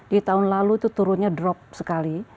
di tahun lalu itu turunnya drop sekali